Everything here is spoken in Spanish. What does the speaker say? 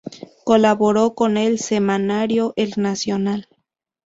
Colaboró con el semanario El Nacional.